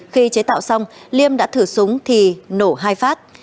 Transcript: khi chế tạo xong liêm đã thử súng thì nổ hai phát